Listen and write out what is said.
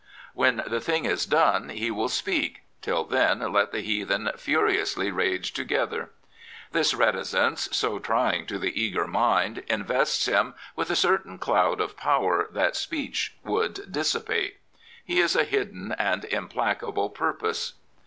When the thing is done he will speak — ^till then let the heathen furiously rage together. This reticence, so tr5dng to the eager mind, invests him with a certain cloud of power that speech would dissipate. He is a hidden and implacable purpose.